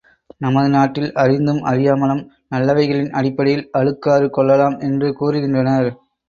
நமது நாட்டில் அறிந்தும் அறியாமலும் நல்லவைகளின் அடிப்படையில் அழுக்காறு கொள்ளலாம் என்று கூறுகின்றனர்.